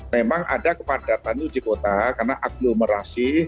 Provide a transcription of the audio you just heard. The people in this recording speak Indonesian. memang ada kepadatan di kota karena aglomerasi